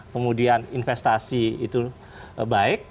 kemudian investasi itu baik